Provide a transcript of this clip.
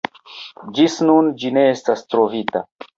Ĝis nun ĝi ne estas trovita.